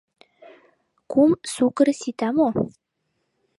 — Кум сукыр сита мо?